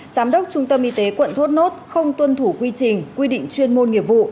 giám đốc trung tâm y tế quận thốt nốt không tuân thủ quy trình quy định chuyên môn nghiệp vụ